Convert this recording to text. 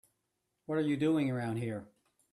What are you doing around here?